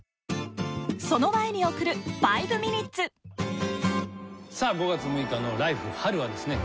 その前に送る「５ミニッツ」さあ５月６日の「ＬＩＦＥ！春」はですね